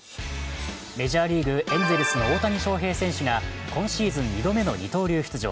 メジャーリーグ、エンゼルスの大谷翔平選手が今シーズン２度目の二刀流出場。